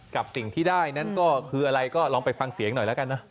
กับสิ่งที่ได้นั้นก็คืออะไรก็ลองไปฟังเสียงหน่อยแล้วกันนะ